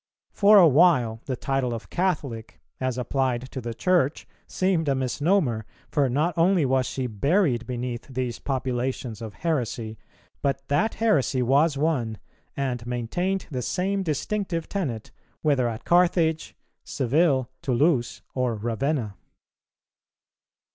For a while the title of Catholic as applied to the Church seemed a misnomer; for not only was she buried beneath these populations of heresy, but that heresy was one, and maintained the same distinctive tenet, whether at Carthage, Seville, Toulouse, or Ravenna.